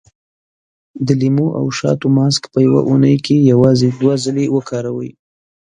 د لیمو او شاتو ماسک په يوه اونۍ کې یوازې دوه ځلې وکاروئ.